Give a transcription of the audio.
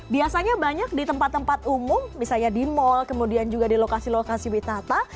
biasanya banyak di tempat tempat umum misalnya di mall kemudian juga di lokasi lokasi wisata